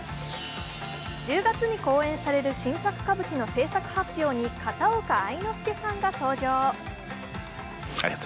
１０月に公演される新作歌舞伎の制作発表に片岡愛之助さんが登場。